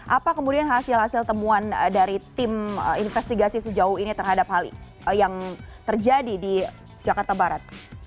apa kemudian hasil hasil temuan dari tim investigasi sejauh ini terhadap hal yang terjadi di jakarta barat